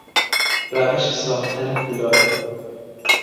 روش ساختن پولاد